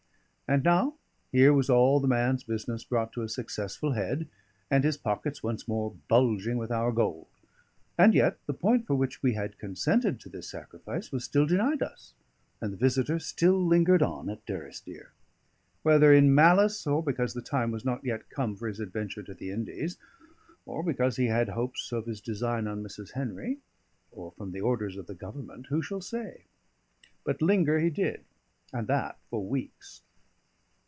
And now here was all the man's business brought to a successful head, and his pockets once more bulging with our gold; and yet the point for which we had consented to this sacrifice was still denied us, and the visitor still lingered on at Durrisdeer. Whether in malice, or because the time was not yet come for his adventure to the Indies, or because he had hopes of his design on Mrs. Henry, or from the orders of the Government, who shall say? but linger he did, and that for weeks.